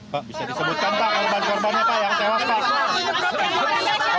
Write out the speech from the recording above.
pak bisa disebutkan pak korban korbannya yang tewas